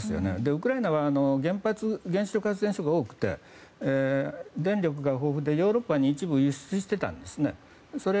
ウクライナは原発、原子力発電所が多くて電力が豊富で、ヨーロッパに一部輸出していたんですね。